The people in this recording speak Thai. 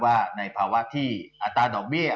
ว่าในภาวะที่อัตราดอกเบี้ย